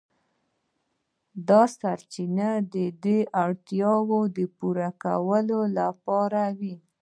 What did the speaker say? دا سرچینې د اړتیاوو د پوره کولو لپاره وې.